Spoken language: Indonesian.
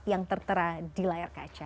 yang tertera di layar kaca